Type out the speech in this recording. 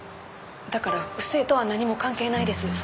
だから不正とは何も関係ないです。